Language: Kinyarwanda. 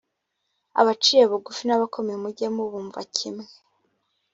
abaciye bugufi n’abakomeye mujye mubumva kimwe